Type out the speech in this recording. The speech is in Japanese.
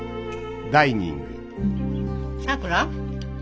さくら？